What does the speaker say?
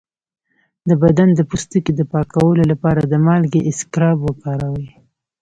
د بدن د پوستکي د پاکولو لپاره د مالګې اسکراب وکاروئ